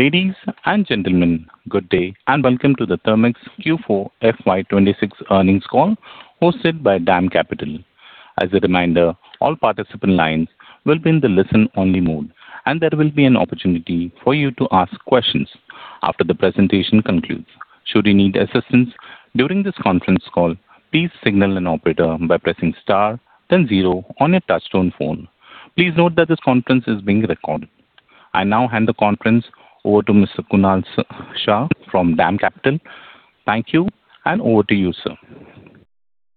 Ladies and gentlemen, good day, and welcome to the Thermax Q4 FY 2026 Earnings Call hosted by DAM Capital. As a reminder, all participant lines will be in the listen-only mode, and there will be an opportunity for you to ask questions after the presentation concludes. Should you need assistance during this conference call, please signal an operator by pressing star then 0 on your touchtone phone. Please note that this conference is being recorded. I now hand the conference over to Mr. Kunal Shah from DAM Capital. Thank you, and over to you, sir.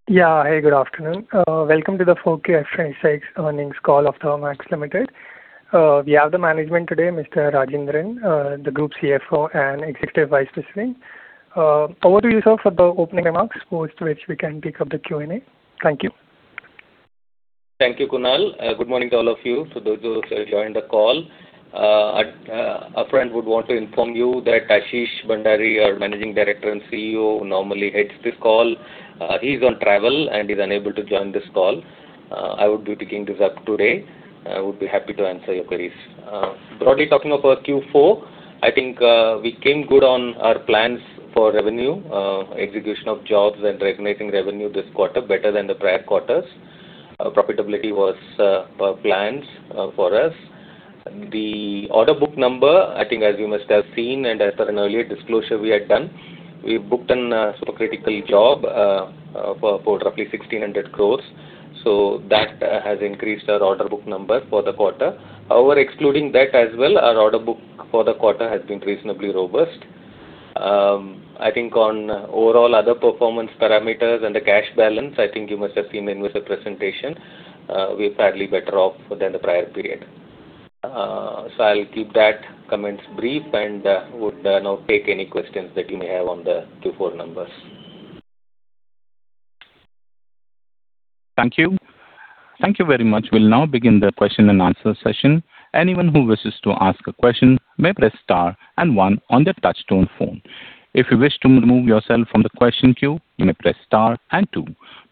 Yeah. Hey, good afternoon. Welcome to the 4Q FY 2026 Earnings Call of Thermax Limited. We have the management today, Mr. Rajendran, the Group CFO and Executive Vice President. Over to you, sir, for the opening remarks post which we can pick up the Q&A. Thank you. Thank you, Kunal. Good morning to all of you, to those who have joined the call. At upfront would want to inform you that Ashish Bhandari, our Managing Director and CEO, who normally heads this call, he's on travel and is unable to join this call. I would be picking this up today. I would be happy to answer your queries. Broadly talking about Q4, I think, we came good on our plans for revenue, execution of jobs and recognizing revenue this quarter better than the prior quarters. Profitability was per plans for us. The order book number, I think as you must have seen and as per an earlier disclosure we had done, we booked a supercritical job for roughly 1,600 crore. That has increased our order book number for the quarter. However, excluding that as well, our order book for the quarter has been reasonably robust. I think on overall other performance parameters and the cash balance, I think you must have seen in with the presentation, we're fairly better off than the prior period. I'll keep that comments brief and would now take any questions that you may have on the Q4 numbers. Thank you. Thank you very much. We'll now begin the question and answer session.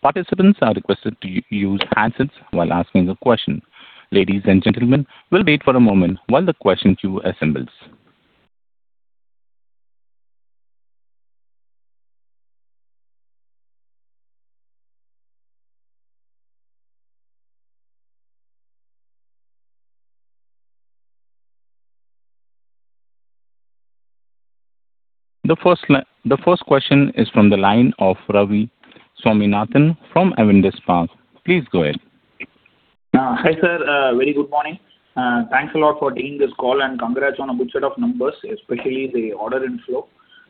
Participants are requested to use handsets while asking a question. Ladies and gentlemen, we'll wait for a moment while the question queue assembles. The first question is from the line of Ravi Swaminathan from Avendus Spark. Please go ahead. Hi, sir. Very good morning. Thanks a lot for taking this call. Congrats on a good set of numbers, especially the order inflow.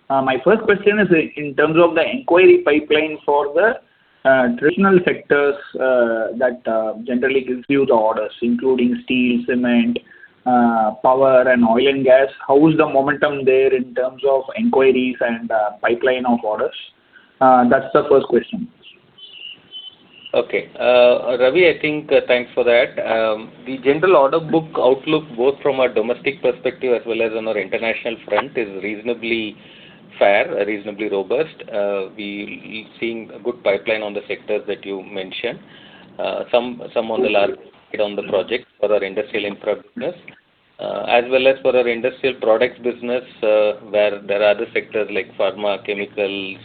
My first question is in terms of the inquiry pipeline for the traditional sectors that generally gives you the orders, including steel, cement, power and oil and gas. How is the momentum there in terms of inquiries and pipeline of orders? That's the first question. Ravi, thanks for that. The general order book outlook, both from a domestic perspective as well as on our international front, is reasonably fair, reasonably robust. We're seeing a good pipeline on the sectors that you mentioned. Some on the large project for our industrial infra business. As well as for our industrial products business, where there are other sectors like pharma, chemicals,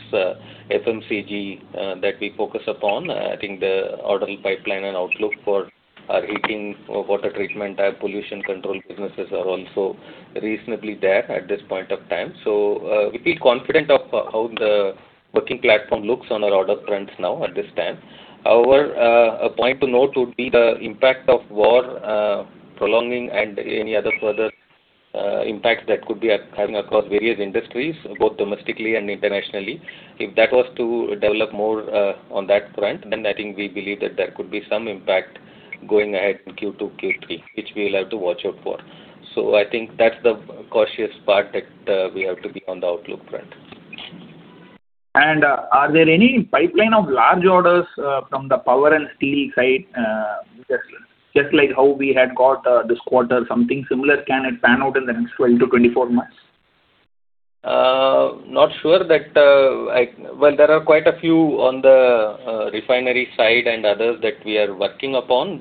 FMCG, that we focus upon. I think the order pipeline and outlook for our heating or water treatment, air pollution control businesses are also reasonably there at this point of time. We feel confident of how the working platform looks on our order fronts now at this time. However, a point to note would be the impact of war prolonging and any other further impacts that could be occurring across various industries, both domestically and internationally. If that was to develop more on that front, then I think we believe that there could be some impact going ahead in Q2, Q3, which we'll have to watch out for. I think that's the cautious part that we have to be on the outlook front. Are there any pipeline of large orders, from the power and steel side, just like how we had got this quarter, something similar can it pan out in the next 12 to 24 months? Not sure that there are quite a few on the refinery side and others that we are working upon.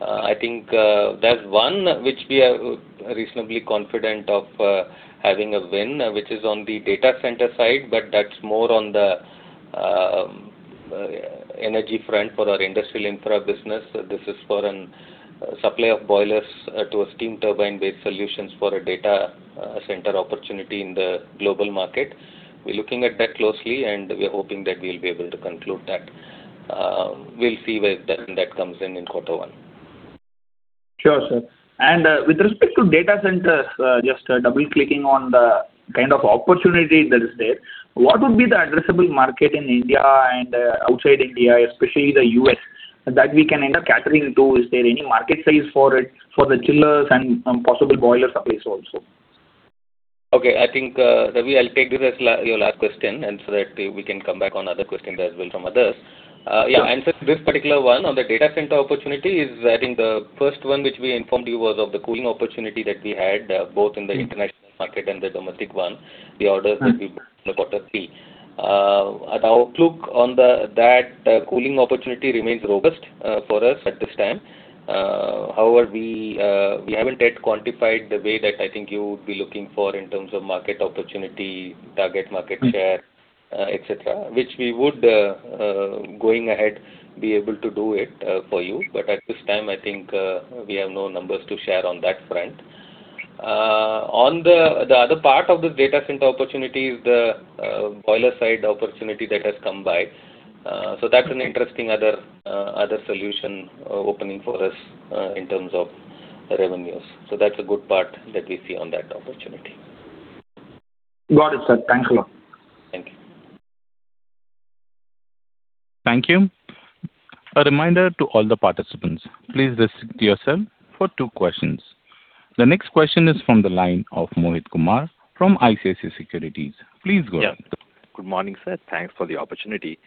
I think there's one which we are reasonably confident of having a win, which is on the data center side, but that's more on the energy front for our industrial infra business. This is for a supply of boilers to a steam turbine-based solutions for a data center opportunity in the global market. We're looking at that closely, we are hoping that we'll be able to conclude that. We'll see where that comes in quarter one. Sure, sir. With respect to data centers, just, double-clicking on the kind of opportunity that is there, what would be the addressable market in India and outside India, especially the U.S., that we can end up catering to? Is there any market sales for it, for the chillers and possible boiler supplies also? Ravi, I'll take this as your last question so that we can come back on other questions as well from others. This particular one on the data center opportunity is, the first one which we informed you was of the cooling opportunity that we had, both in the international market and the domestic one, the orders will be in the quarter three. Our outlook on the, that, cooling opportunity remains robust for us at this time. However, we haven't yet quantified the way that I think you would be looking for in terms of market opportunity, target market share, et cetera, which we would going ahead be able to do it for you. At this time, I think, we have no numbers to share on that front. On the other part of the data center opportunity is the boiler side opportunity that has come by. That's an interesting other solution opening for us in terms of revenues. That's a good part that we see on that opportunity. Got it, sir. Thanks a lot. Thank you. Thank you. A reminder to all the participants, please restrict yourself for two questions. The next question is from the line of Mohit Kumar from ICICI Securities. Please go ahead. Good morning, sir. Thanks for the opportunity.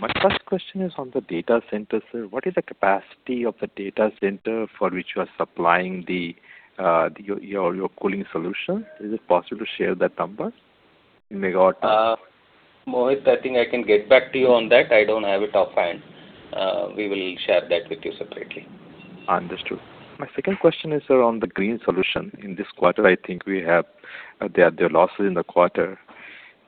My first question is on the data center, sir. What is the capacity of the data center for which you are supplying the your cooling solution? Is it possible to share that number in megawatt? Mohit, I think I can get back to you on that. I don't have it offhand. We will share that with you separately. Understood. My second question is, sir, on the green solution. In this quarter, there are losses in the quarter.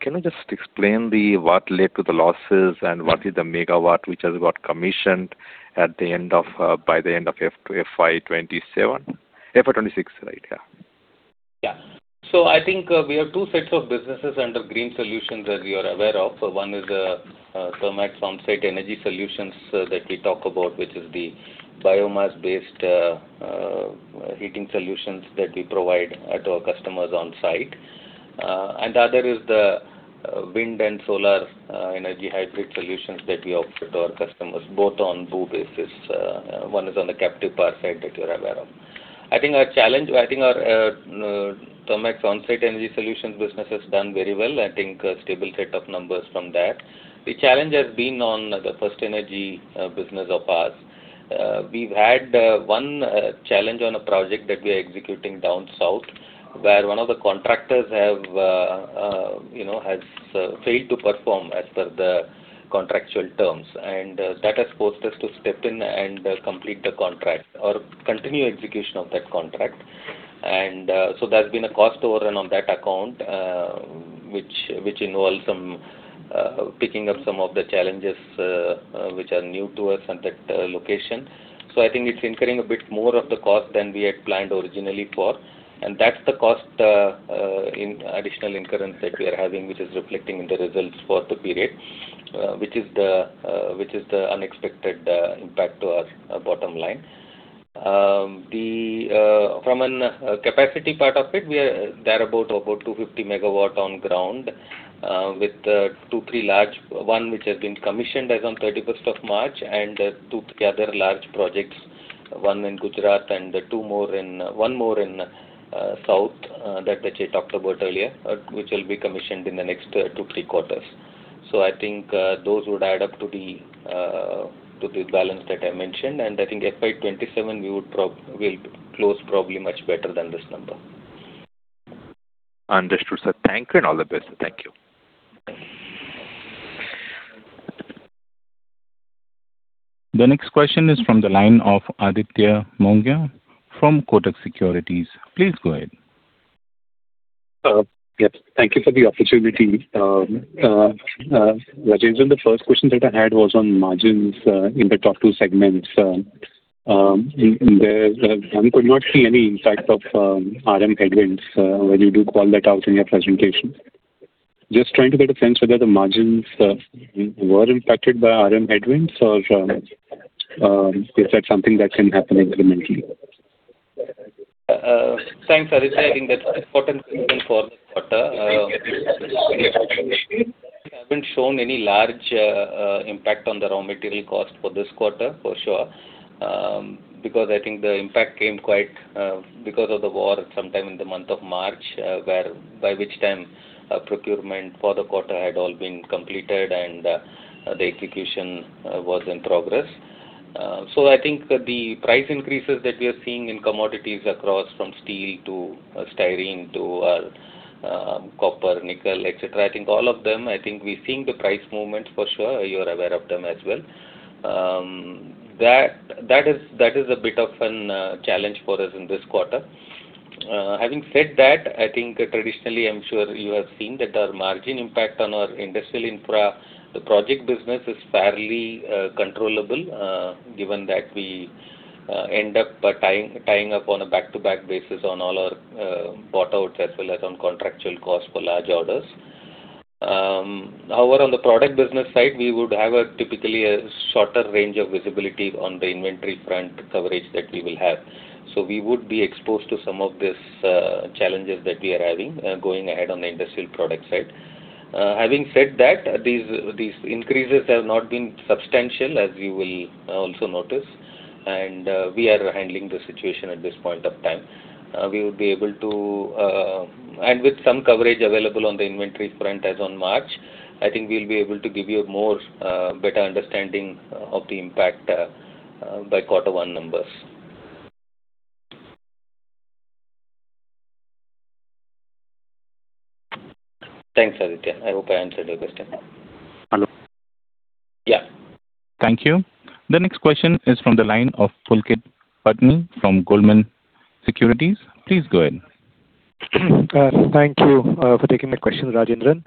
Can you just explain what led to the losses and what is the megawatt which has got commissioned at the end of by the end of FY 2027? FY 2026? We have two sets of businesses under green solutions that you are aware of. One is Thermax Onsite Energy Solutions that we talk about, which is the biomass-based heating solutions that we provide at our customers on site. The other is the wind and solar energy hybrid solutions that we offer to our customers, both on BOO basis. One is on the captive power side that you're aware of. I think our Thermax Onsite Energy Solutions business has done very well. I think a stable set of numbers from that. The challenge has been on the First Energy business of ours. We've had one challenge on a project that we are executing down south, where one of the contractors, you know, has failed to perform as per the contractual terms. That has forced us to step in and complete the contract or continue execution of that contract. There's been a cost overrun on that account, which involves some picking up some of the challenges which are new to us at that location. I think it's incurring a bit more of the cost than we had planned originally for, and that's the cost in additional incurrence that we are having, which is reflecting in the results for the period, which is the unexpected impact to our bottom line. From a capacity part of it, There are about 250 MW on ground with 2-3 large, one which has been commissioned as on 31st of March, and two other large projects, one in Gujarat and two more in, one more in south, that Vijay talked about earlier, which will be commissioned in the next 2-3 quarters. I think those would add up to the balance that I mentioned, and FY 2027 we'll close probably much better than this number. Understood, sir. Thank you and all the best. Thank you. The next question is from the line of Aditya Mongia from Kotak Securities. Please go ahead. Yes. Thank you for the opportunity. Rajendran, the first question that I had was on margins in the top two segments. There one could not see any impact of RM headwinds when you do call that out in your presentation. Just trying to get a sense whether the margins were impacted by RM headwinds or is that something that can happen incrementally? Thanks, Aditya. I think that's an important question for this quarter. We haven't shown any large impact on the raw material cost for this quarter, for sure. Because I think the impact came quite because of the war sometime in the month of March, where by which time, procurement for the quarter had all been completed and the execution was in progress. I think the price increases that we are seeing in commodities across from steel to styrene to copper, nickel, et cetera, I think all of them, we're seeing the price movements for sure. You're aware of them as well. That is a bit of an challenge for us in this quarter. Having said that, I think traditionally, I'm sure you have seen that our margin impact on our industrial infra, the project business is fairly controllable, given that we end up tying up on a back-to-back basis on all our bought outs as well as on contractual costs for large orders. However, on the product business side, we would have a typically a shorter range of visibility on the inventory front coverage that we will have. We would be exposed to some of these challenges that we are having going ahead on the industrial product side. Having said that, these increases have not been substantial, as you will also notice, and we are handling the situation at this point of time. We will be able to. With some coverage available on the inventories front as on March, I think we'll be able to give you a more better understanding of the impact by quarter 1 numbers. Thanks, Aditya. I hope I answered your question. Thank you. The next question is from the line of Pulkit Patni from Goldman Securities. Please go ahead. Thank you for taking my question, Rajendran.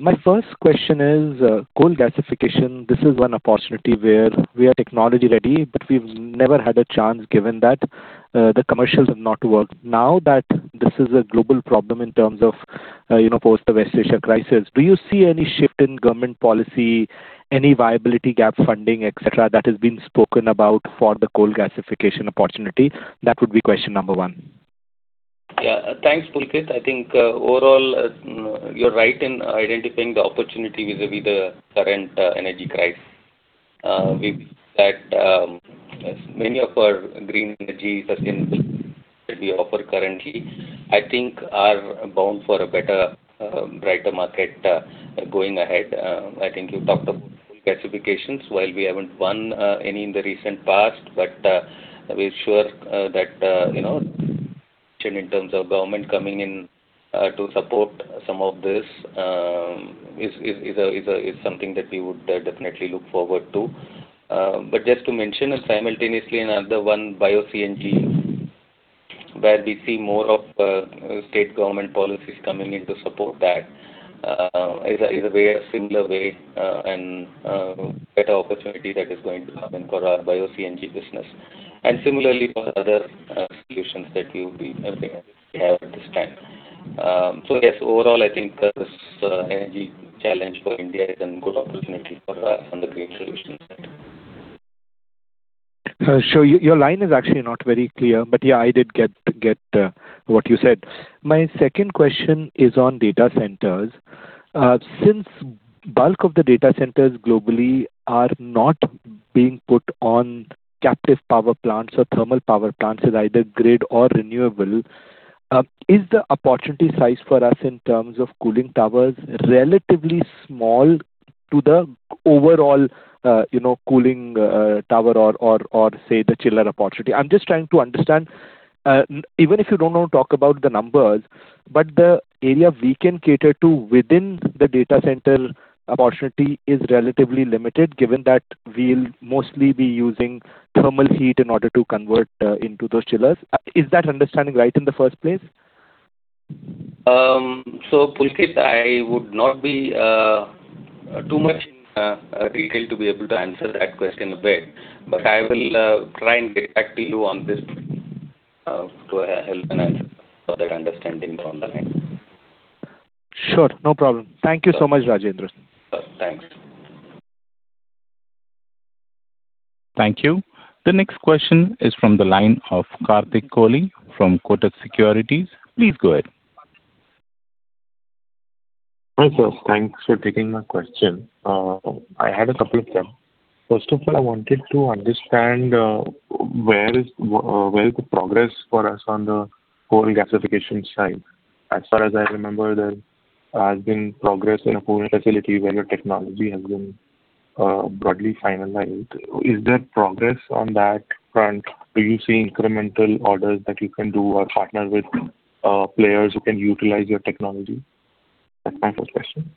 My first question is coal gasification. This is one opportunity where we are technology-ready, but we've never had a chance given that the commercials have not worked. Now that this is a global problem in terms of post the West Asia crisis, do you see any shift in government policy, any viability gap funding, et cetera, that has been spoken about for the coal gasification opportunity? That would be question number one. Thanks, Pulkit. I think, overall, you're right in identifying the opportunity vis-à-vis the current energy crisis. We That, as many of our green energy sustainable that we offer currently, I think are bound for a better, brighter market, going ahead. I think you talked about coal gasifications. While we haven't won any in the recent past, but we're sure that in terms of government coming in to support some of this, is something that we would definitely look forward to. Just to mention simultaneously another one, bio-CNG, where we see more of state government policies coming in to support that, is a way, a similar way, and better opportunity that is going to come in for our bio-CNG business. Similarly, for other solutions that we, everything else we have at this time. Yes, overall, I think this energy challenge for India is a good opportunity for us on the green solutions side. Sure. Your line is actually not very clear, but I did get what you said. My second question is on data centers. Since bulk of the data centers globally are not being put on captive power plants or thermal power plants with either grid or renewable, is the opportunity size for us in terms of cooling towers relatively small to the overall, cooling tower or say the chiller opportunity? I'm just trying to understand, even if you don't want to talk about the numbers, but the area we can cater to within the data center opportunity is relatively limited given that we'll mostly be using thermal heat in order to convert into those chillers. Is that understanding right in the first place? Pulkit, I would not be too much in detail to be able to answer that question a bit, but I will try and get back to you on this to help and answer for that understanding from the line. Sure. No problem. Thank you so much, Rajendran. Thank you. The next question is from the line of Kartik Kohli from Kotak Securities. Please go ahead. Hi, sir. Thanks for taking my question. I had a couple of them. First of all, I wanted to understand where is the progress for us on the coal gasification side. As far as I remember, there has been progress in a coal facility where your technology has been broadly finalized. Is there progress on that front? Do you see incremental orders that you can do or partner with players who can utilize your technology? That's my first question.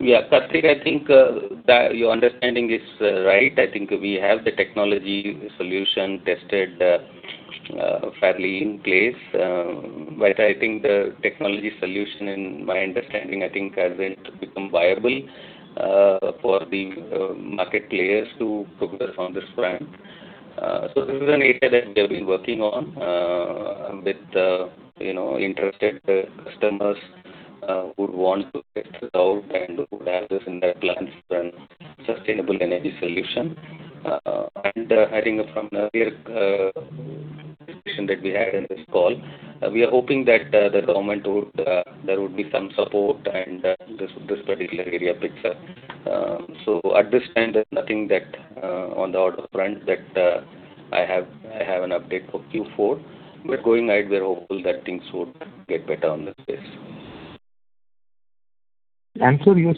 Kartik, the your understanding is right. We have the technology solution tested fairly in place. I think the technology solution, in my understanding, has become viable for the market players to progress on this front. This is an area that we have been working on with, you know, interested customers who would want to test this out and who would have this in their plans for a sustainable energy solution. From earlier discussion that we had in this call, we are hoping that the government would, there would be some support and this particular area picks up. At this time, there's nothing on the order front that I have an update for Q4. Going ahead, we're hopeful that things would get better on this space. Your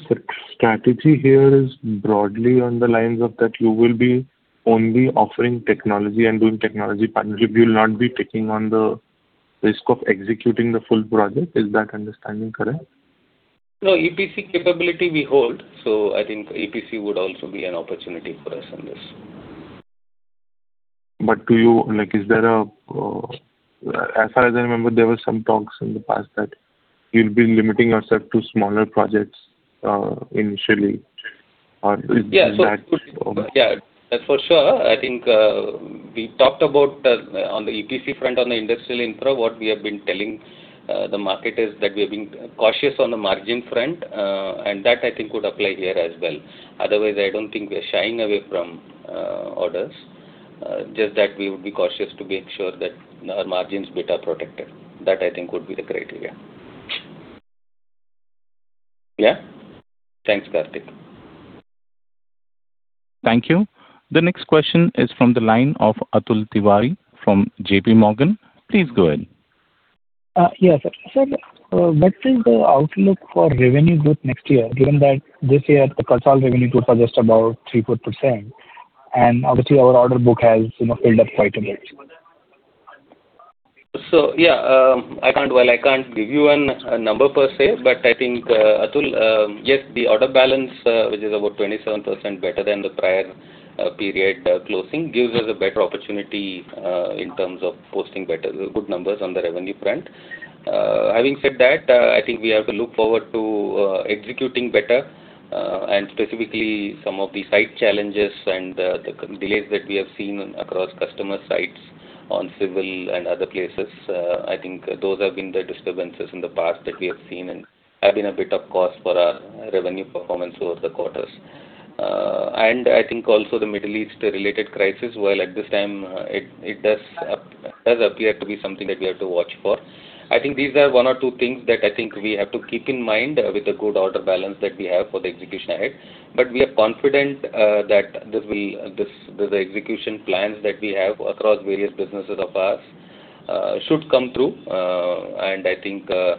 strategy here is broadly on the lines of that you will be only offering technology and doing technology partnership. You will not be taking on the risk of executing the full project. Is that understanding correct? No. EPC capability we hold, so I think EPC would also be an opportunity for us in this. As far as I remember, there were some talks in the past that you'll be limiting yourself to smaller projects, initially. That's for sure. We talked about on the EPC front, on the industrial infra, what we have been telling the market is that we have been cautious on the margin front, that I think would apply here as well. Otherwise, I don't think we are shying away from orders. Just that we would be cautious to make sure that our margins bit are protected. That I think would be the criteria. Thanks, Kartik. Thank you. The next question is from the line of Atul Tiwari from JPMorgan. Please go ahead. Yes. Sir, what is the outlook for revenue growth next year, given that this year the consolidated revenue growth was just about 3%, obviously our order book has filled up quite a bit? I can't give you a number per se, but I think Atul, yes, the order balance, which is about 27% better than the prior period closing, gives us a better opportunity in terms of posting better, good numbers on the revenue front. Having said that, I think we have to look forward to executing better and specifically some of the site challenges and the delays that we have seen across customer sites on civil and other places. I think those have been the disturbances in the past that we have seen and have been a bit of cause for our revenue performance over the quarters. I think also the Middle East-related crisis, while at this time, it does appear to be something that we have to watch for. These are one or two things that I think we have to keep in mind with the good order balance that we have for the execution ahead. We are confident that the execution plans that we have across various businesses of ours should come through. I think the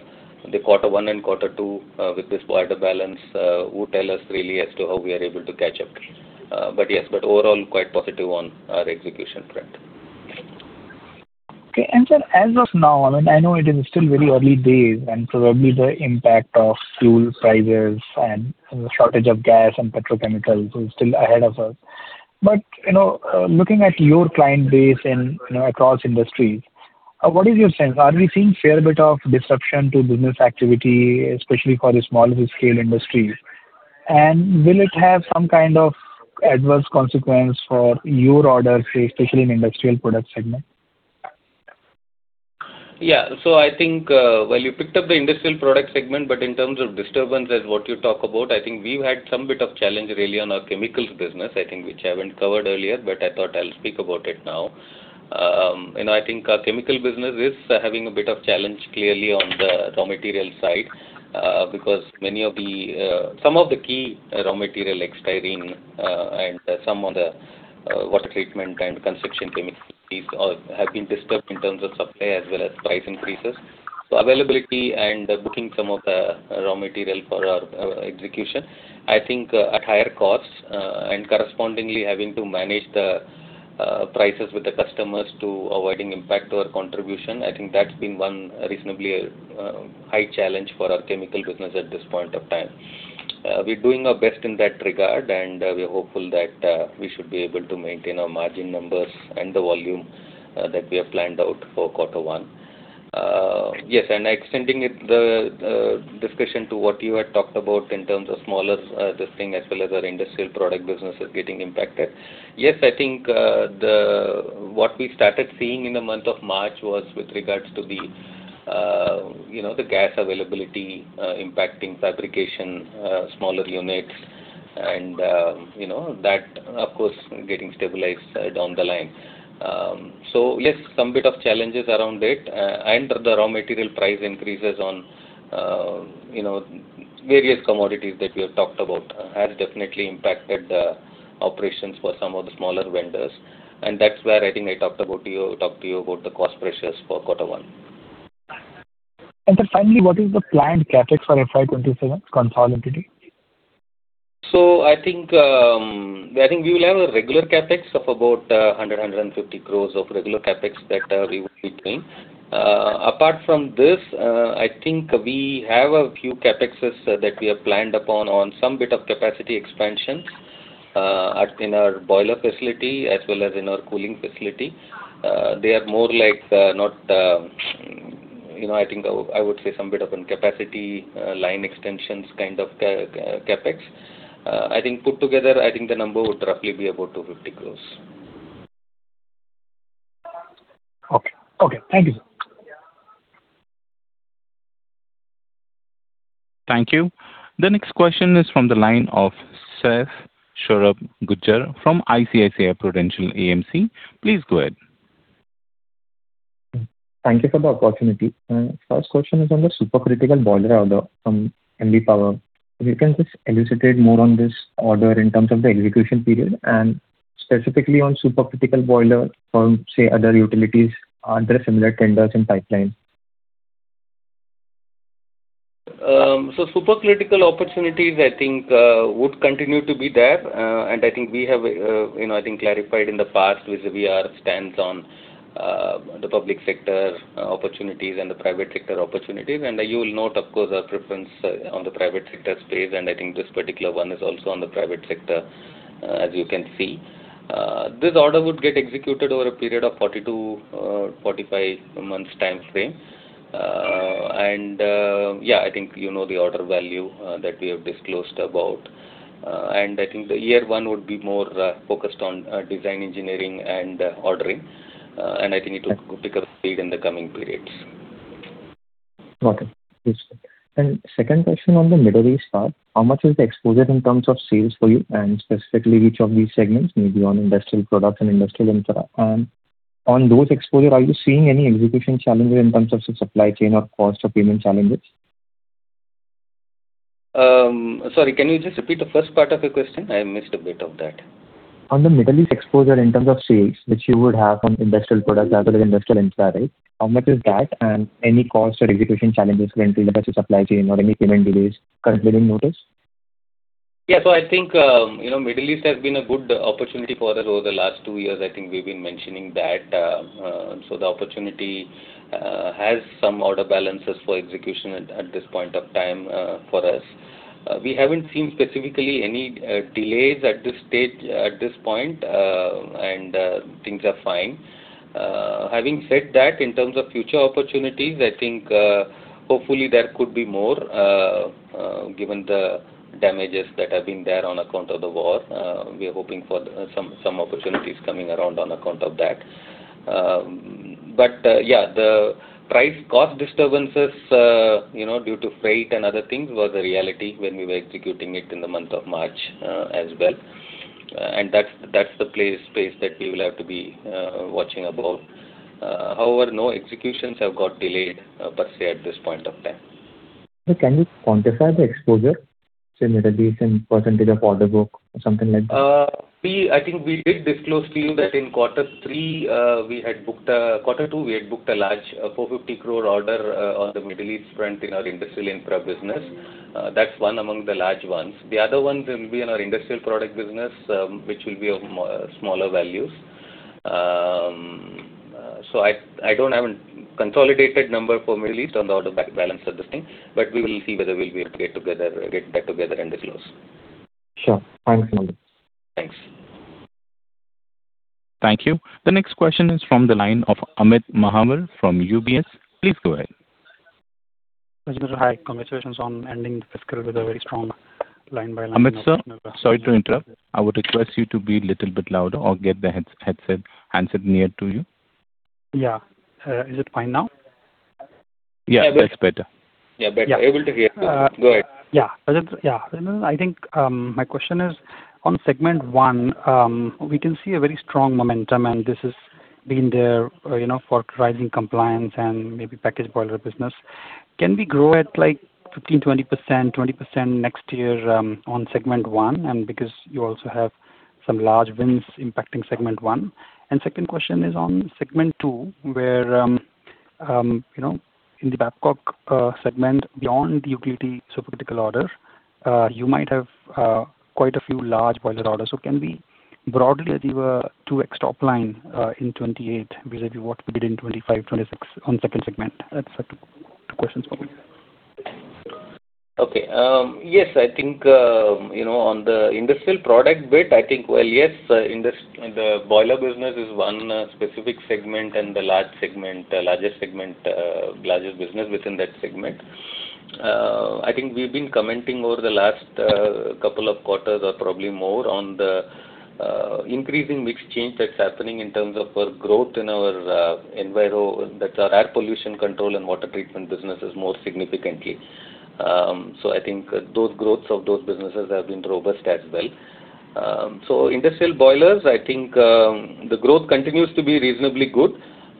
Q1 and Q2, with this order balance, would tell us really as to how we are able to catch up. Yes, overall quite positive on our execution front. Sir, as of now, I know it is still very early days and probably the impact of fuel prices and the shortage of gas and petrochemicals is still ahead of us. You know, looking at your client base in, you know, across industries, what is your sense? Are we seeing fair bit of disruption to business activity, especially for the smaller-scale industries? Will it have some kind of adverse consequence for your orders, say especially in industrial product segment? You picked up the industrial product segment, but in terms of disturbance as what you talk about, we've had some bit of challenge really on our chemicals business, which I haven't covered earlier, but I thought I'll speak about it now. Our chemical business is having a bit of challenge clearly on the raw material side, because many of the, some of the key raw material like styrene, and some of the water treatment and construction chemicals have been disturbed in terms of supply as well as price increases. Availability and booking some of the raw material for our execution at higher costs, and correspondingly having to manage the prices with the customers to avoiding impact to our contribution. That's been one reasonably high challenge for our chemical business at this point of time. We're doing our best in that regard, we are hopeful that we should be able to maintain our margin numbers and the volume that we have planned out for quarter one. Yes, extending it, the discussion to what you had talked about in terms of smaller this thing as well as our industrial product business is getting impacted. Yes, the what we started seeing in the month of March was with regards to the gas availability impacting fabrication smaller units and that of course getting stabilized down the line. Yes, some bit of challenges around it, and the raw material price increases on, you know, various commodities that we have talked about has definitely impacted the operations for some of the smaller vendors. And that's where I think I talked to you about the cost pressures for quarter one. Sir, finally, what is the planned CapEx for FY 2027 consolidated? We will have a regular CapEx of about 100-150 crore of regular CapEx that we would be doing. Apart from this, we have a few CapExes that we have planned upon on some bit of capacity expansion in our boiler facility as well as in our cooling facility. They are more like, I would say some bit of an capacity line extensions CapEx. I think put together, I think the number would roughly be about 250 crore. Thank you, sir. Thank you. The next question is from the line of Saurabh Gujjar from ICICI Prudential AMC. Please go ahead. Thank you for the opportunity. First question is on the supercritical boiler order from MB Power. If you can just elucidate more on this order in terms of the execution period and specifically on supercritical boiler from, say, other utilities. Are there similar tenders in pipeline? Supercritical opportunities I think would continue to be there. I think we have, you know, I think clarified in the past with our stance on the public sector opportunities and the private sector opportunities. You will note, of course, our preference on the private sector space, I think this particular one is also on the private sector, as you can see. This order would get executed over a period of 42-45 months timeframe. I think you know the order value that we have disclosed about. I think the year one would be more focused on design engineering and ordering. I think it will pick up speed in the coming periods. Okay. Yes. Second question on the Middle East part. How much is the exposure in terms of sales for you, and specifically which of these segments, maybe on industrial products and industrial infrastructure? On those exposure, are you seeing any execution challenges in terms of, say, supply chain or cost or payment challenges? Sorry, can you just repeat the first part of your question? I missed a bit of that. On the Middle East exposure in terms of sales, which you would have on industrial products rather than industrial infra, right? How much is that, and any cost or execution challenges when it comes to supply chain or any payment delays currently in notice? Middle East has been a good opportunity for us over the last two years. I think we've been mentioning that. The opportunity has some order balances for execution at this point of time for us. We haven't seen specifically any delays at this stage, at this point, things are fine. Having said that, in terms of future opportunities, hopefully there could be more given the damages that have been there on account of the war. We are hoping for some opportunities coming around on account of that. The price cost disturbances due to freight and other things was a reality when we were executing it in the month of March as well. That's the space that we will have to be watching above. However, no executions have got delayed per se at this point of time. Can you quantify the exposure to Middle East in percentage of order book or something like that? We did disclose to you that in Quarter two, we had booked a large, 450 crore order on the Middle East front in our industrial infra business. That's one among the large ones. The other ones will be in our industrial product business, which will be of smaller values. I don't have a consolidated number for Middle East on the order balance at this time, but we will see whether we'll be able to get together, get that together and disclose. Sure. Thanks a lot. Thanks. Thank you. The next question is from the line of Amit Mahawar from UBS. Please go ahead. Hi, congratulations on ending the fiscal with a very strong line-by-line. My question is on segment one, we can see a very strong momentum, and this has been there, you know, for rising compliance and maybe package boiler business. Can we grow at 15%-20% next year on segment one? Because you also have some large wins impacting segment one. Second question is on segment two, where in the Babcock segment, beyond the utility supercritical order, you might have quite a few large boiler orders. Can we broadly achieve a 2x top line in 2028 vis-a-vis what we did in 2025-2026 on second segment? That's two questions for you. On the industrial product bit, well, yes, the boiler business is one specific segment and the largest segment, largest business within that segment. I think we've been commenting over the last couple of quarters or probably more on the increasing mix change that's happening in terms of our growth in our enviro, that's our air pollution control and water treatment businesses more significantly. I think those growths of those businesses have been robust as well. Industrial boilers the growth continues to be reasonably good.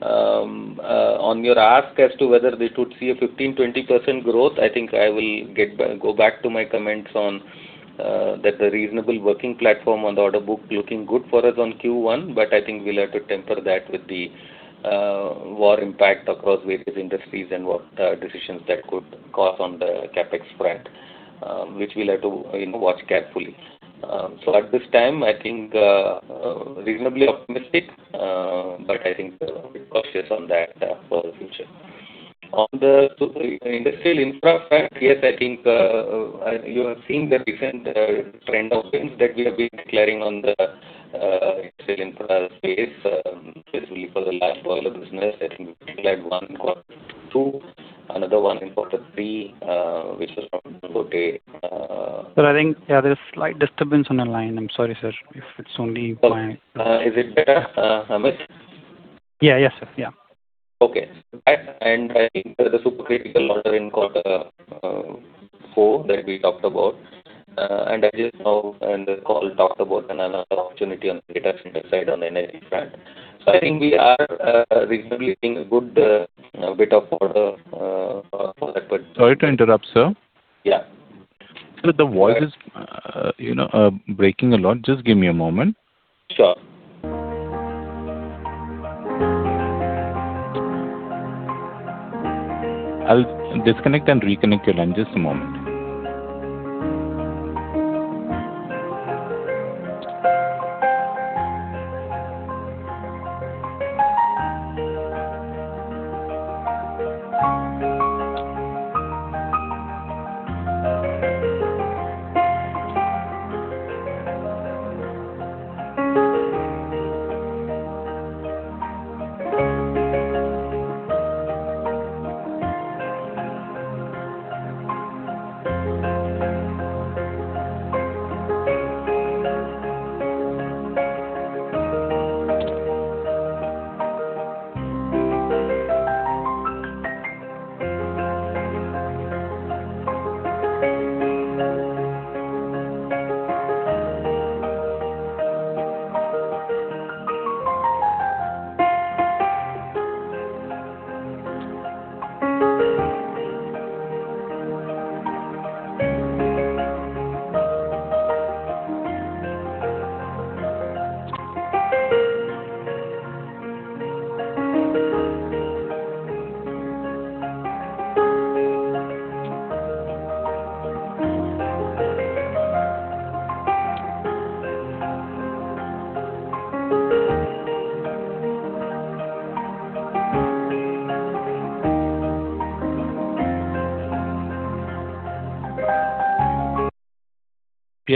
On your ask as to whether we could see a 15%, 20% growth, I will go back to my comments on that the reasonable working platform on the order book looking good for us on Q1, I think we'll have to temper that with the war impact across various industries and what decisions that could cost on the CapEx front, which we'll have to watch carefully. At this time, reasonably optimistic, bit cautious on that for the future. On the industrial infra front, yes, I think you have seen the recent trend of wins that we have been declaring on the industrial infra space, especially for the large boiler business. I think we had one in quarter two, another one in quarter three, which was from the supercritical order in quarter four that we talked about, and I just now in the call talked about another opportunity on the data center side on the energy front. I think we are reasonably seeing a good bit of order for that.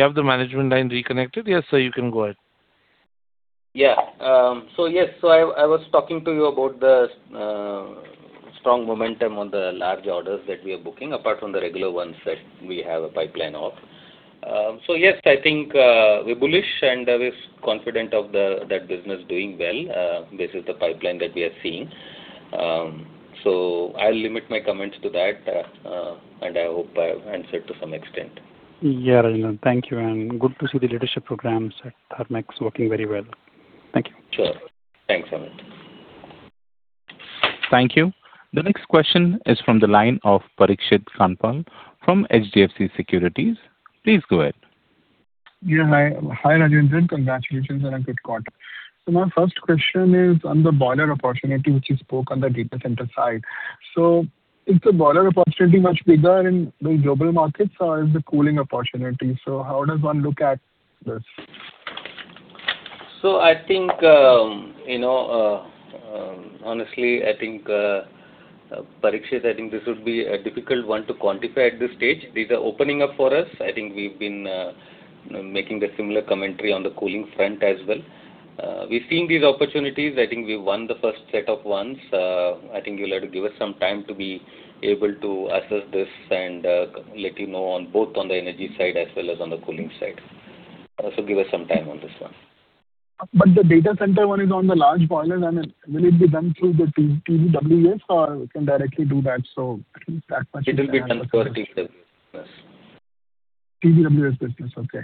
Yes, I was talking to you about the strong momentum on the large orders that we are booking, apart from the regular ones that we have a pipeline of. Yes, we're bullish and we're confident of that business doing well, based the pipeline that we are seeing. I'll limit my comments to that. I hope I have answered to some extent. Rajendran. Thank you. Good to see the leadership programs at Thermax working very well. Thank you. Sure. Thanks, Amit. Thank you. The next question is from the line of Parikshit Kandpal from HDFC Securities. Please go ahead. Hi, Rajendran, and congratulations on a good quarter. My first question is on the boiler opportunity which you spoke on the data center side. Is the boiler opportunity much bigger in the global markets or is the cooling opportunity? How does one look at this? Honestly, Parikshit, this would be a difficult one to quantify at this stage. These are opening up for us. I think we've been making the similar commentary on the cooling front as well. We're seeing these opportunities. We won the first set of ones. You'll have to give us some time to be able to assess this and let you know on both on the energy side as well as on the cooling side. Give us some time on this one. The data center one is on the large boiler and will it be done through the TBWES or we can directly do that? At least that much. It'll be done through our TBWES, yes. TBWES business, okay.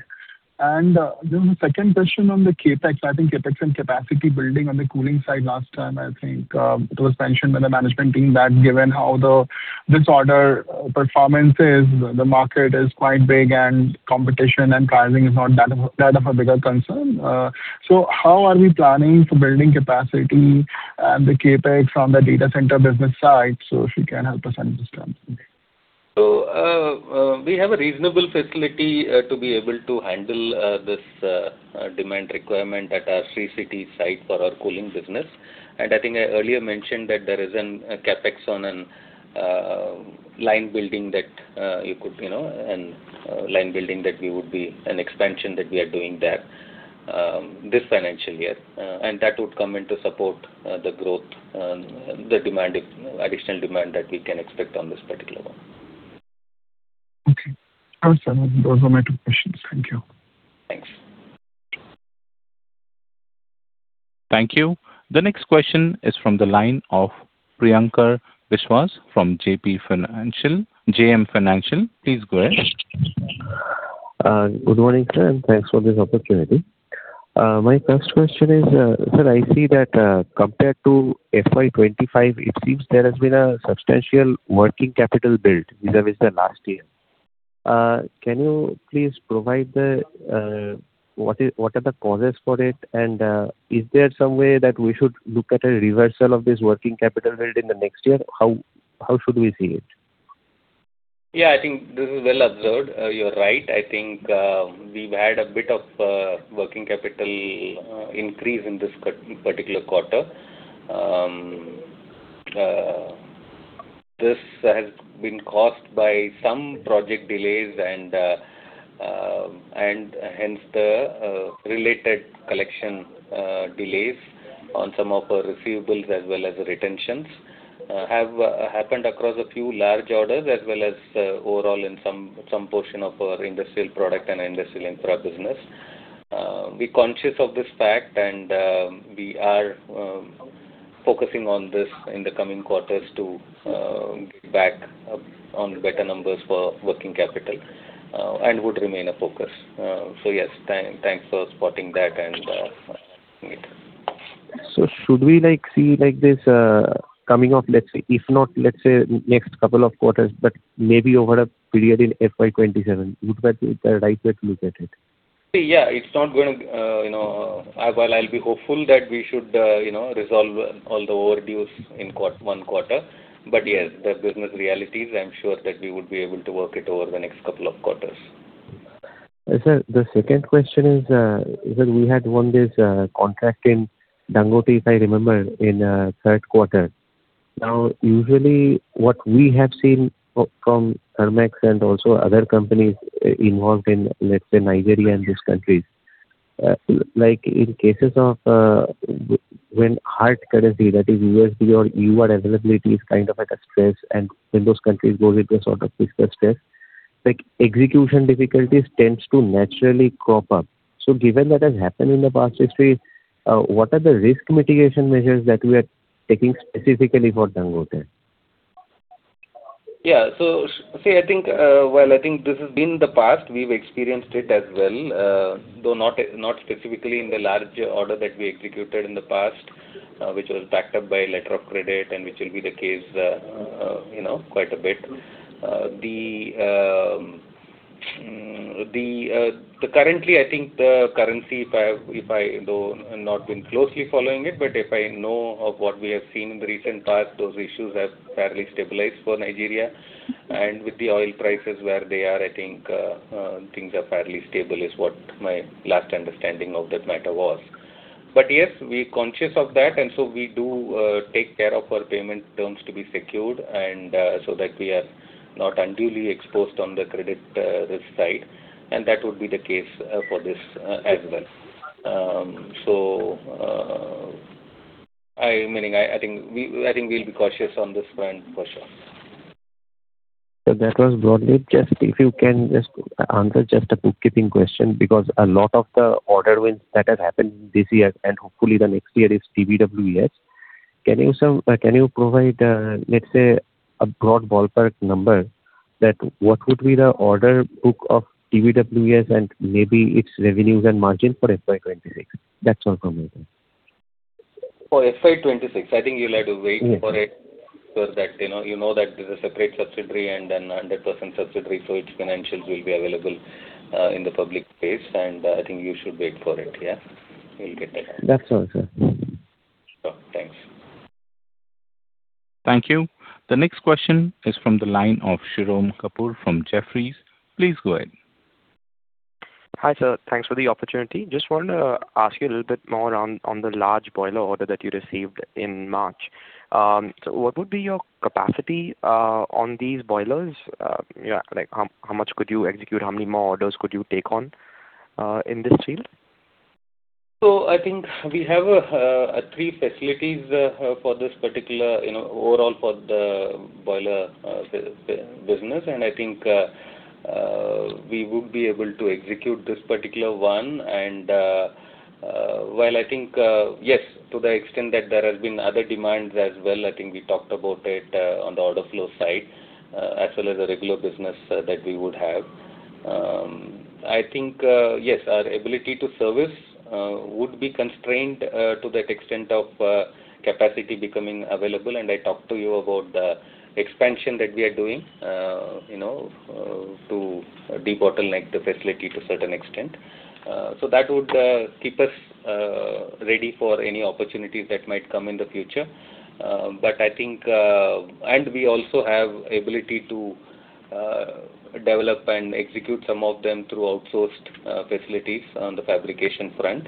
There was a second question on the CapEx. I think CapEx and capacity building on the cooling side last time, it was mentioned by the management team that given how this order performance is, the market is quite big and competition and pricing is not that big of a concern. How are we planning for building capacity and the CapEx from the data center business side? If you can help us understand. We have a reasonable facility to be able to handle this demand requirement at our Sri City site for our cooling business. I earlier mentioned that there is an CapEx on an line building that we would be an expansion that we are doing there this financial year. That would come in to support the growth, the demand additional demand that we can expect on this particular one. Okay. Those were my two questions. Thank you. Thanks. Thank you. The next question is from the line of Priyankar Biswas from JM Financial. Please go ahead. Good morning, sir, and thanks for this opportunity. My first question is, sir, I see that, compared to FY 2025, it seems there has been a substantial working capital build vis-a-vis the last year. Can you please provide the, what are the causes for it? Is there some way that we should look at a reversal of this working capital build in the next year? How should we see it? This is well observed. You're right. We've had a bit of working capital increase in this particular quarter. This has been caused by some project delays. Hence, the related collection delays on some of our receivables as well as retentions have happened across a few large orders as well as overall in some portion of our industrial product and industrial infra business. We're conscious of this fact, and we are focusing on this in the coming quarters to get back on better numbers for working capital and would remain a focus. Yes, thanks for spotting that. Should we like see this coming off, let's say, if not next two quarters, but maybe over a period in FY 2027? Would that be the right way to look at it? See, it's not gonna while I'll be hopeful that we should resolve all the overdues in one quarter. Yes, the business reality is I'm sure that we would be able to work it over the next couple of quarters. Sir, the second question is, sir, we had won this contract in Dangote, if I remember, in third quarter. Usually, what we have seen from Thermax and also other companies, involved in, let's say, Nigeria and these countries, like in cases of, when hard currency, that is USD or EUR availability is kind of at a stress and when those countries go into a sort of fiscal stress, like execution difficulties tends to naturally crop up. Given that has happened in the past history, what are the risk mitigation measures that we are taking specifically for Dangote? See, well, I think this has been the past. We've experienced it as well, though not specifically in the large order that we executed in the past, which was backed up by letter of credit and which will be the case, you know, quite a bit. The currently, I think the currency if I though not been closely following it, but if I know of what we have seen in the recent past, those issues have fairly stabilized for Nigeria. With the oil prices where they are things are fairly stable is what my last understanding of that matter was. Yes, we conscious of that, and so we do take care of our payment terms to be secured and so that we are not unduly exposed on the credit risk side, and that would be the case for this as well. I think we'll be cautious on this front for sure. That was broadly. If you can just answer a bookkeeping question, because a lot of the order wins that have happened this year and hopefully the next year is TBWES. Can you provide, let's say a broad ballpark number that what would be the order book of TBWES and maybe its revenues and margin for FY 2026? That's all from me, sir. For FY 2026, I think you'll have to wait for it so that you know. You know that this is a separate subsidiary and then a 100% subsidiary, so its financials will be available in the public space, and I think you should wait for it. You'll get that answer. That's all, sir. Sure. Thanks. Thank you. The next question is from the line of Shirom Kapur from Jefferies. Please go ahead. Hi, sir. Thanks for the opportunity. Just wanted to ask you a little bit more on the large boiler order that you received in March. What would be your capacity on these boilers? Yeah, like how much could you execute? How many more orders could you take on, in this field? I think we have three facilities, for this particular, overall, for the boiler business. I think we would be able to execute this particular one. While yes, to the extent that there has been other demands as well, we talked about it, on the order flow side, as well as the regular business, that we would have. Yes, our ability to service, would be constrained, to that extent of, capacity becoming available, and I talked to you about the expansion that we are doing to debottleneck the facility to a certain extent. That would, keep us, ready for any opportunities that might come in the future. I think we also have ability to develop and execute some of them through outsourced facilities on the fabrication front.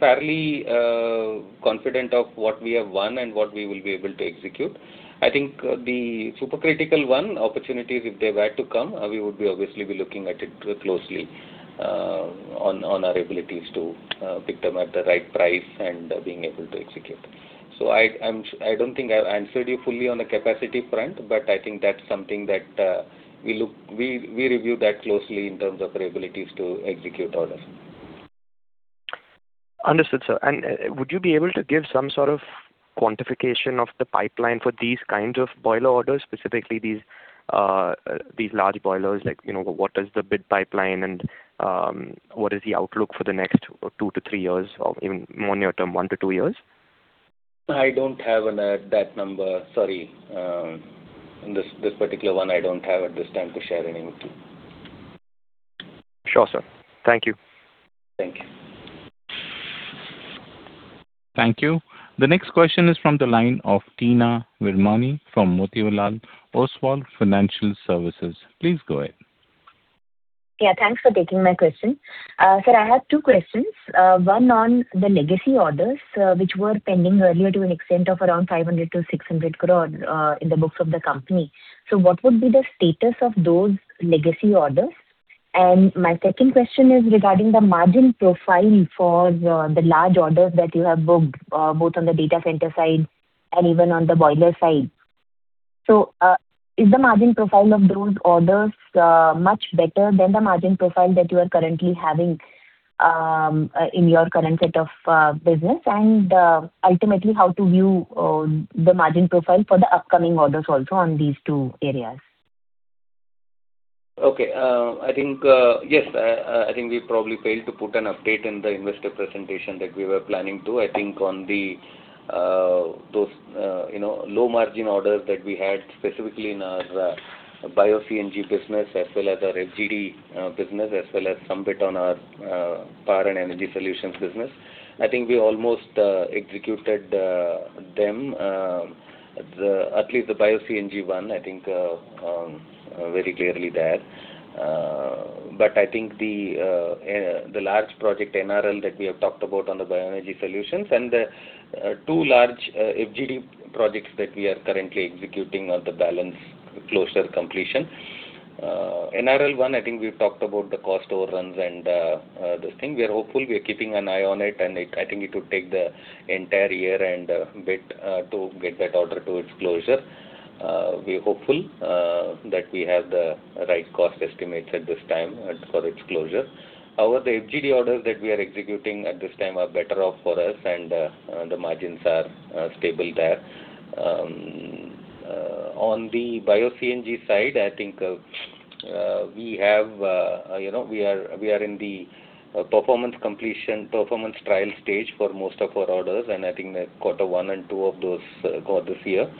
Fairly confident of what we have won and what we will be able to execute. I think the supercritical one, opportunities if they were to come, we would be obviously looking at it closely on our abilities to pick them at the right price and being able to execute. I don't think I've answered you fully on the capacity front, but I think that's something that we review that closely in terms of our abilities to execute orders. Understood, sir. Would you be able to give some sort of quantification of the pipeline for these kinds of boiler orders, specifically these large boilers? Like, you know, what is the bid pipeline and what is the outlook for the next 2-3 years or even more near term, 1-2 years? I don't have that number. Sorry. This particular one I don't have at this time to share any with you. Sure, sir. Thank you. Thank you. Thank you. The next question is from the line of Teena Virmani from Motilal Oswal Financial Services. Please go ahead. Thanks for taking my question. Sir, I have two questions. One on the legacy orders, which were pending earlier to an extent of around 500 crore-600 crore in the books of the company. What would be the status of those legacy orders? My second question is regarding the margin profile for the large orders that you have booked, both on the data center side and even on the boiler side. Is the margin profile of those orders much better than the margin profile that you are currently having in your current set of business? Ultimately, how to view the margin profile for the upcoming orders also on these two areas? I think, yes, I think we probably failed to put an update in the investor presentation that we were planning to. I think on those low margin orders that we had specifically in our bio-CNG business, as well as our FGD business, as well as some bit on our power and energy solutions business. I think we almost executed them at least the bio-CNG 1 very clearly there. I think the large project NRL that we have talked about on the bioenergy solutions and the two large FGD projects that we are currently executing on the balance closure completion. NRL 1, I think we've talked about the cost overruns and this thing. We are hopeful. We are keeping an eye on it. I think it would take the entire year and a bit to get that order to its closure. We're hopeful that we have the right cost estimates at this time for its closure. However, the FGD orders that we are executing at this time are better off for us and the margins are stable there. On the bio-CNG side, we are in the performance completion, performance trial stage for most of our orders. I think that quarter one and two of those quarters here,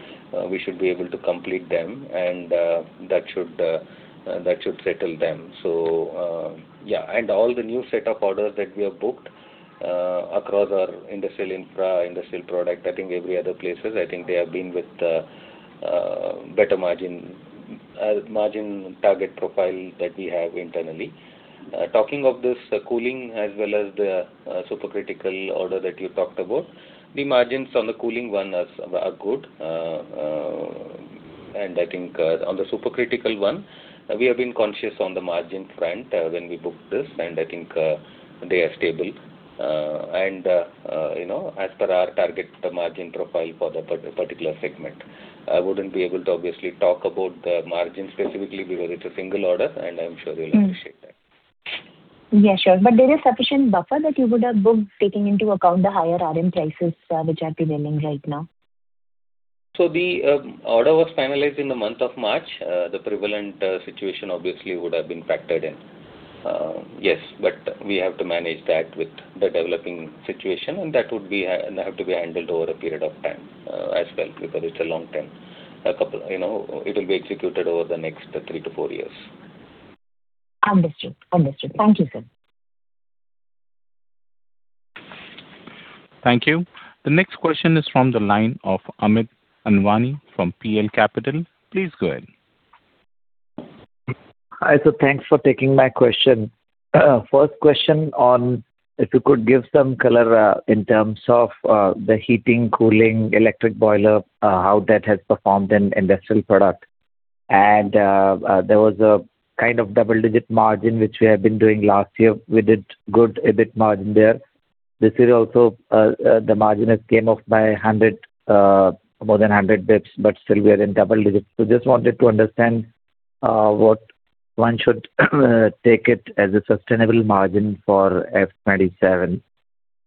we should be able to complete them and that should settle them. All the new set of orders that we have booked, across our industrial infra, industrial product, I think every other places, I think they have been with better margin target profile that we have internally. Talking of this cooling as well as the supercritical order that you talked about, the margins on the cooling one are good. On the supercritical one, we have been conscious on the margin front, when we booked this, and they are stable. As per our target, the margin profile for the particular segment. I wouldn't be able to obviously talk about the margin specifically because it's a single order, and I'm sure you'll appreciate that. There is sufficient buffer that you would have booked taking into account the higher RM prices, which are prevailing right now. The order was finalized in the month of March. The prevalent situation obviously would have been factored in. Yes, but we have to manage that with the developing situation, and that would have to be handled over a period of time as well, because it's a long-term. A couple, you know, it'll be executed over the next three to four years. Understood. Understood. Thank you, sir. Thank you. The next question is from the line of Amit Anwani from PL Capital. Please go ahead. Hi, sir. Thanks for taking my question. First question on if you could give some color, in terms of the heating, cooling, electric boiler, how that has performed in industrial product. There was a kind of double-digit margin which we have been doing last year. We did good EBIT margin there. This year also, the margin has came off by 100, more than 100 basis points, but still we are in double digits. Just wanted to understand what one should take it as a sustainable margin for FY 2027,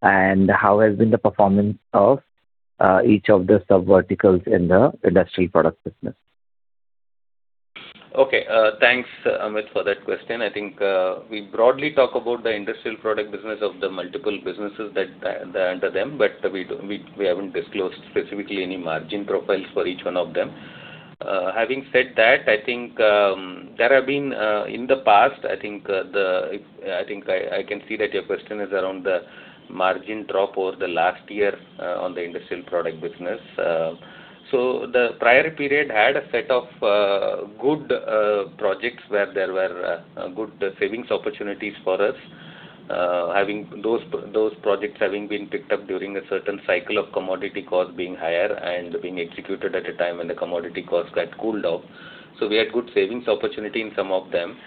and how has been the performance of each of the subverticals in the industrial product business? Okay. Thanks, Amit, for that question. We broadly talk about the industrial product business of the multiple businesses that, under them, but we haven't disclosed specifically any margin profiles for each one of them. Having said that there have been, in the past, I can see that your question is around the margin drop over the last year, on the industrial product business. The prior period had a set of good projects where there were good savings opportunities for us. Having those projects having been picked up during a certain cycle of commodity cost being higher and being executed at a time when the commodity costs got cooled off. We had good savings opportunity in some of them.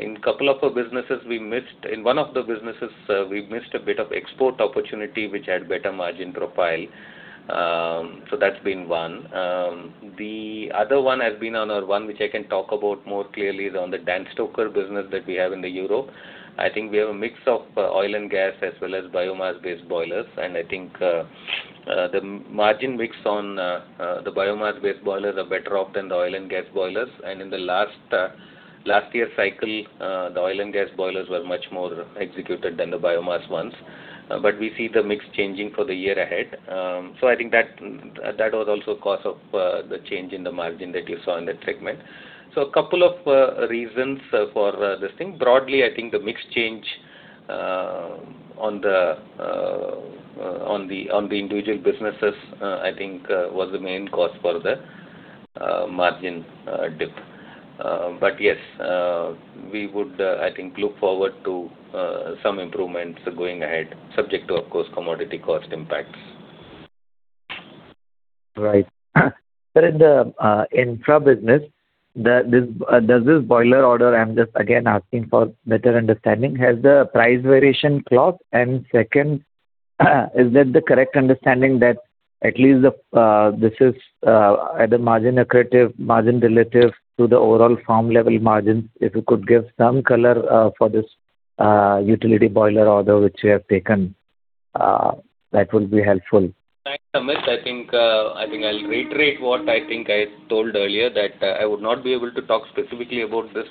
In one of the businesses, we missed a bit of export opportunity which had better margin profile. That's been one. The other one has been on our one which I can talk about more clearly is on the Danstoker business that we have in the Euro. I think we have a mix of oil and gas as well as biomass-based boilers. I think the margin mix on the biomass-based boilers are better off than the oil and gas boilers. In the last year cycle, the oil and gas boilers were much more executed than the biomass ones. We see the mix changing for the year ahead. I think that was also a cause of the change in the margin that you saw in that segment. A couple of reasons for this thing. Broadly, I think the mix change on the individual businesses, I think, was the main cause for the margin dip. Yes, we would, I think look forward to some improvements going ahead, subject to of course commodity cost impacts. Right. In the infra business, does this boiler order, I am just again asking for better understanding, has the price variation clause? Second, is that the correct understanding that at least this is at a margin accretive, margin relative to the overall firm level margins? If you could give some color for this utility boiler order which you have taken, that would be helpful. Thanks, Amit. I think I'll reiterate what I told earlier, that I would not be able to talk specifically about this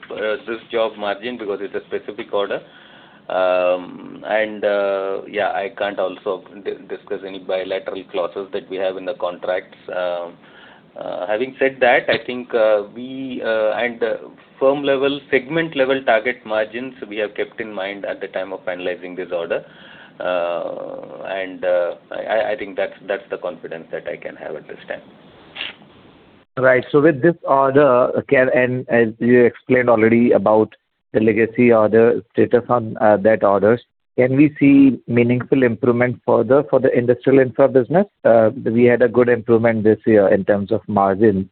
job margin because it's a specific order. I can't also discuss any bilateral clauses that we have in the contracts. Having said that we at the firm level, segment level target margins, we have kept in mind at the time of finalizing this order. I think that's the confidence that I can have at this time. Right. With this order, again, and as you explained already about the legacy order status on that orders, can we see meaningful improvement further for the industrial infra business? We had a good improvement this year in terms of margin.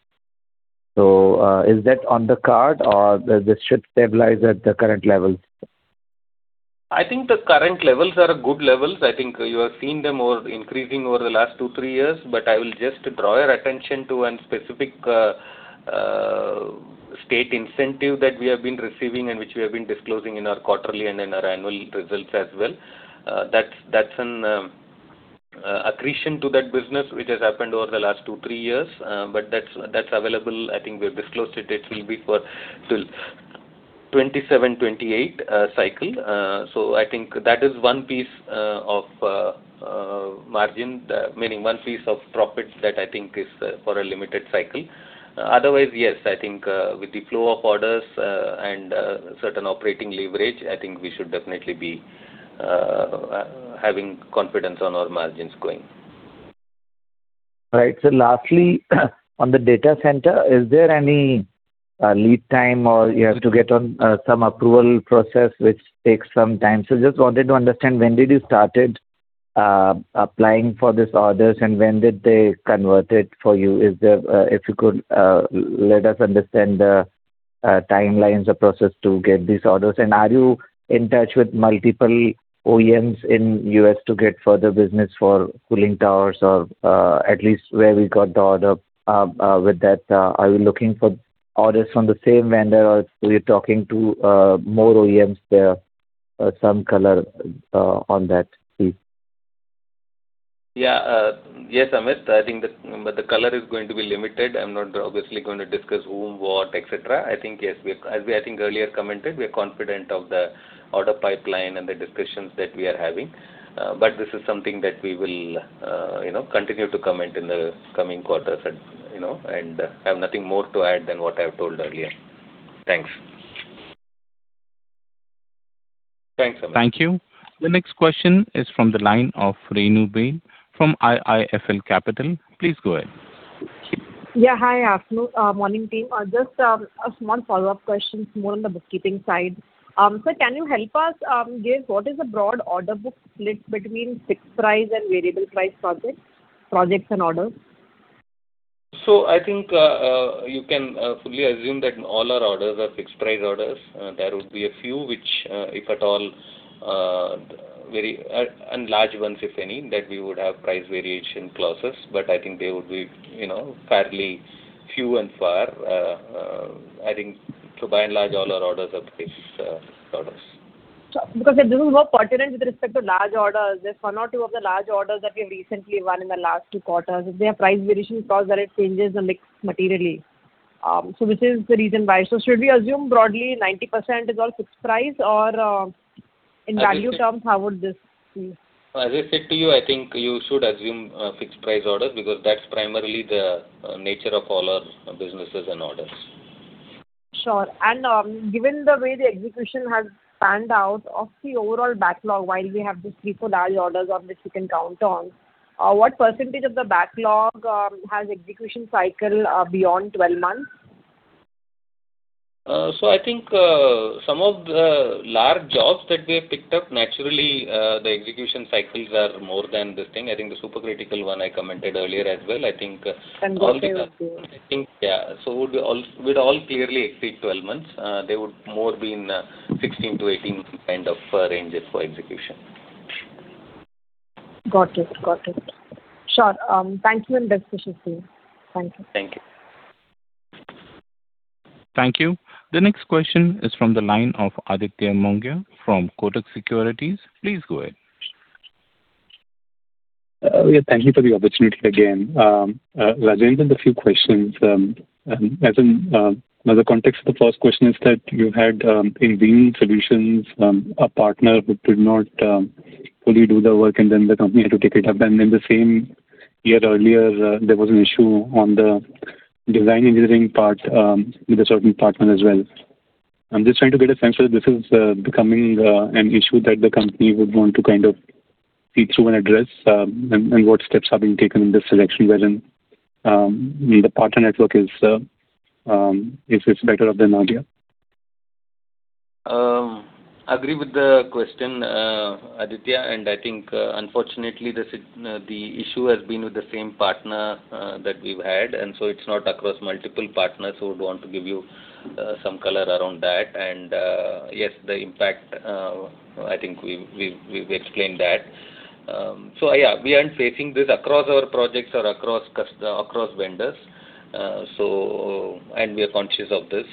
Is that on the card or this should stabilize at the current levels? I think the current levels are good levels. I think you have seen them increasing over the last two, three years. I will just draw your attention to one specific state incentive that we have been receiving and which we have been disclosing in our quarterly and in our annual results as well. That's an accretion to that business which has happened over the last two, three years. That's available. I think we have disclosed it. It will be for till 2027, 2028 cycle. I think that is one piece of margin, meaning one piece of profit that I think is for a limited cycle. Otherwise, yes, with the flow of orders, and certain operating leverage, I think we should definitely be having confidence on our margins going. Right. Lastly, on the data center, is there any lead time or you have to get on some approval process which takes some time? Just wanted to understand when did you started applying for these orders, and when did they convert it for you? Is there, if you could let us understand the timelines or process to get these orders. Are you in touch with multiple OEMs in U.S. to get further business for cooling towers or, at least where we got the order, with that, are you looking for orders from the same vendor or you're talking to more OEMs there? Some color on that please. Yes, Amit, the color is going to be limited. I'm not obviously gonna discuss whom, what, et cetera. Yes, as we earlier commented, we are confident of the order pipeline and the discussions that we are having. This is something that we will, you know, continue to comment in the coming quarters and I have nothing more to add than what I have told earlier. Thanks, Amit. Thank you. The next question is from the line of Renu Baid from IIFL Capital. Please go ahead. Hi. Afternoon. Morning, team. Just a small follow-up question, more on the bookkeeping side. Sir, can you help us give what is the broad order book split between fixed price and variable price projects and orders? You can fully assume that all our orders are fixed price orders. There would be a few which, if at all, very, and large ones, if any, that we would have price variation clauses. I think they would be fairly few and far. I think to by and large, all our orders are fixed orders. Sure. Because this is more pertinent with respect to large orders. There's one or two of the large orders that we have recently won in the last two quarters. If they have price variation clause that it changes the mix materially. This is the reason why. Should we assume broadly 90% is all fixed price or, in value terms, how would this be? As I said to you, I think you should assume fixed price orders because that's primarily the nature of all our businesses and orders. Sure. Given the way the execution has panned out of the overall backlog, while we have these three, four large orders of which you can count on, what percentage of the backlog has execution cycle beyond 12 months? Some of the large jobs that we have picked up naturally, the execution cycles are more than this thing. I think the supercritical one I commented earlier as well. Would all clearly exceed 12 months. They would more be in 16 to 18 ranges for execution. Got it. Sure. Thank you and best wishes to you. Thank you. Thank you. Thank you. The next question is from the line of Aditya Mongia from Kotak Securities. Please go ahead. Thank you for the opportunity again. Rajendran, I have a few questions. As in, the context of the first question is that you had in Green Solutions a partner who did not fully do the work and then the company had to take it up. The same year earlier, there was an issue on the design engineering part with a certain partner as well. I'm just trying to get a sense whether this is becoming an issue that the company would want to kind of see through and address, and what steps are being taken in the selection wherein the partner network is if it's better off than earlier. Agree with the question, Aditya. Unfortunately, the issue has been with the same partner that we've had. It's not across multiple partners who would want to give you some color around that. Yes, the impact we've explained that. We aren't facing this across our projects or across vendors. We are conscious of this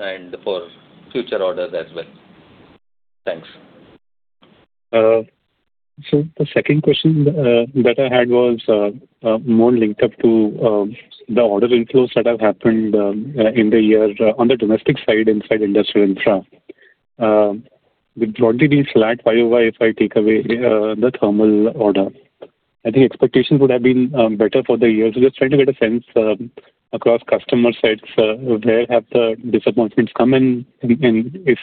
and for future orders as well. Thanks. The second question that I had was more linked up to the order inflows that have happened in the year on the domestic side inside Industrial Infra. With broadly the slack YoY, if I take away the thermal order, I think expectations would have been better for the year. Just trying to get a sense across customer sets, where have the disappointments come in, and if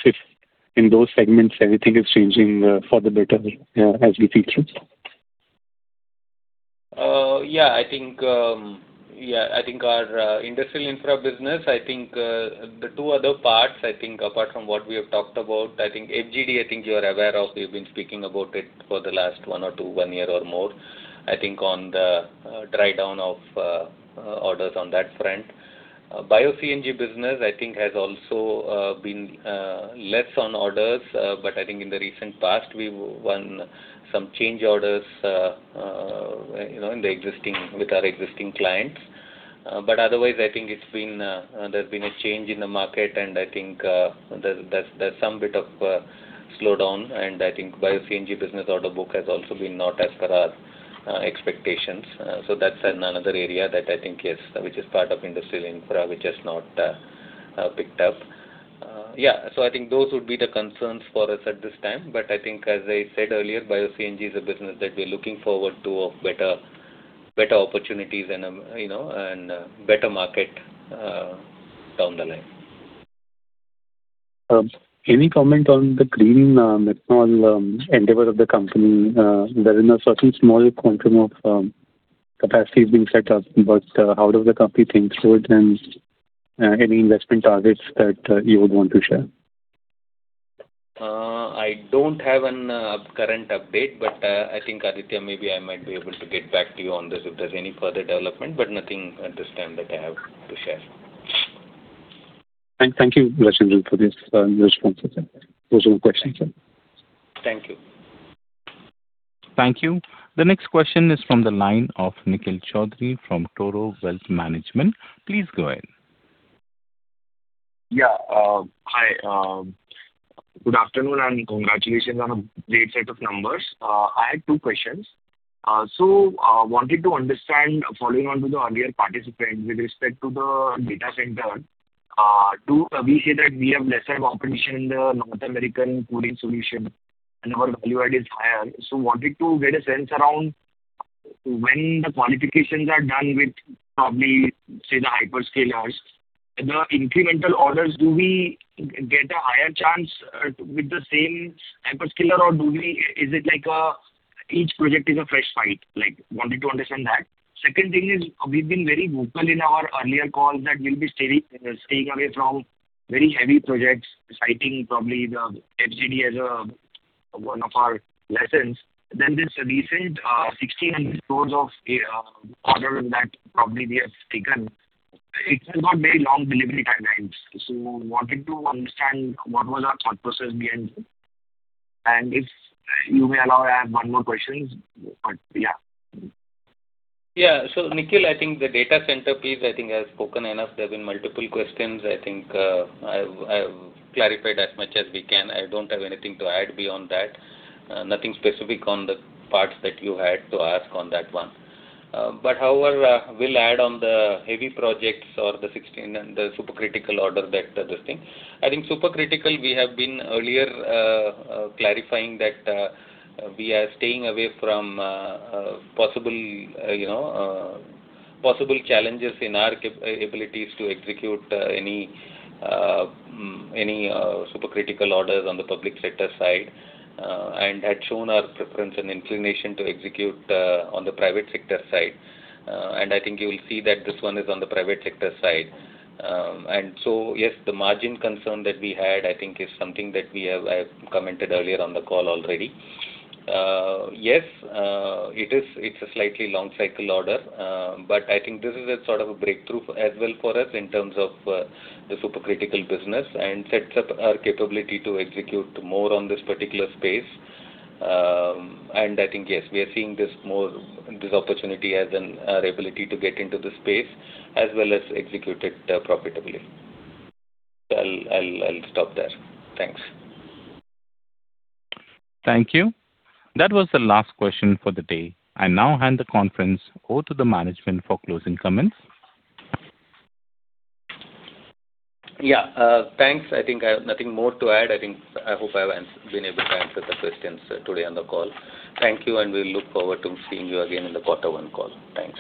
in those segments anything is changing for the better as we see through? Our Industrial Infra business, the two other parts, apart from what we have talked about, FGD, I think you are aware of, we've been speaking about it for the last one or two, one year or more. I think on the dry down of orders on that front. Bio-CNG business, has also been less on orders. I think in the recent past we won some change orders in the existing with our existing clients. Otherwise, I think it's been, there's been a change in the market, and I think there's some bit of slowdown. I think bio-CNG business order book has also been not as per our expectations. That's another area that I think, yes, which is part of industrial infra, which has not picked up. Those would be the concerns for us at this time. As I said earlier, bio-CNG is a business that we're looking forward to a better opportunities and better market down the line. Any comment on the green methanol endeavor of the company? There is a certain small quantum of capacity is being set up, but how does the company think through it, and any investment targets that you would want to share? I don't have an current update, but Aditya, maybe I might be able to get back to you on this if there's any further development, but nothing at this time that I have to share. Thank you, Rajendran, for this response. Those are the questions, sir. Thank you. Thank you. The next question is from the line of Nikhil Choudhary from Toro Wealth Management. Please go ahead. Hi. Good afternoon, and congratulations on a great set of numbers. I had two questions. Wanted to understand, following on to the earlier participant with respect to the data center, we say that we have lesser competition in the North American cooling solution and our value add is higher. Wanted to get a sense around when the qualifications are done with probably, say, the hyperscalers, the incremental orders, do we get a higher chance with the same hyperscaler, or Is it like, each project is a fresh fight? Wanted to understand that. Second thing is, we've been very vocal in our earlier calls that we'll be staying away from very heavy projects, citing probably the FGD as one of our lessons. This recent 1,600 crore of order that probably we have taken, it has got very long delivery timelines. Wanted to understand what was our thought process behind it. If you may allow, I have one more question. Nikhil, I think the data center piece, I think I've spoken enough. There have been multiple questions. I've clarified as much as we can. I don't have anything to add beyond that. Nothing specific on the parts that you had to ask on that one. However, we'll add on the heavy projects or the 16 and the supercritical order that this thing. Supercritical we have been earlier clarifying that we are staying away from possible challenges in our capabilities to execute any supercritical orders on the public sector side. Had shown our preference and inclination to execute on the private sector side. I think you will see that this one is on the private sector side. Yes, the margin concern that we had, is something that we have I've commented earlier on the call already. Yes, it is, it's a slightly long cycle order. I think this is a sort of a breakthrough as well for us in terms of the supercritical business and sets up our capability to execute more on this particular space. Yes, we are seeing this more, this opportunity as in our ability to get into the space as well as execute it profitably. I'll stop there. Thanks. Thank you. That was the last question for the day. I now hand the conference over to the management for closing comments. Thanks. I think I have nothing more to add. I hope I've been able to answer the questions today on the call. Thank you, and we'll look forward to seeing you again in the quarter one call. Thanks.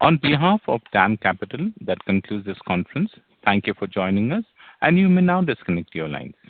On behalf of DAM Capital, that concludes this conference. Thank you for joining us, and you may now disconnect your lines.